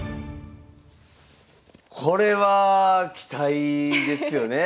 これは期待ですよね。